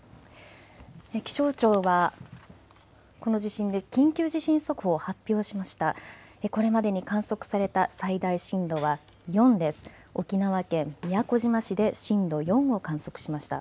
気象庁はこの地震で緊急地震速報を発表しました。